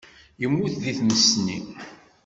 Yemmut deg tmes-nni.